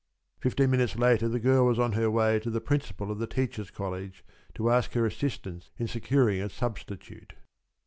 Fifteen minutes later the girl was on her way to the Principal of the Teachers' College to ask her assistance in securing a substitute.